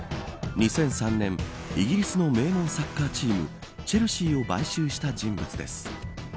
２００３年イギリスの名門サッカーチームチェルシーを買収した人物です。